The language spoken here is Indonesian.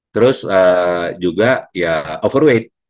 terus juga ya overweight